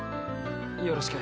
よろしく。